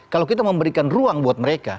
kalau kita memberikan ruang buat mereka